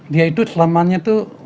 dia itu selamanya tuh